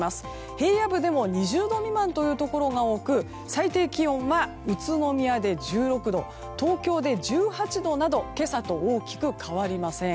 平野部でも２０度未満のところが多く最低気温は、宇都宮で１６度東京で１８度など今朝と大きく変わりません。